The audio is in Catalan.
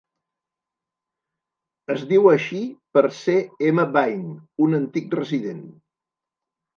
Es diu així per C. M. Bain, un antic resident.